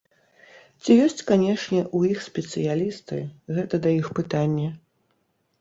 Ці ёсць канешне у іх спецыялісты, гэта да іх пытанне.